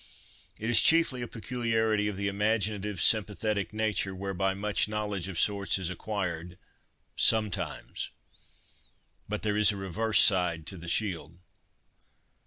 It is chiefly a peculiarity of the imaginative sympathetic nature whereby much knowledge of sorts is acquired—sometimes. But there is a reverse side to the shield.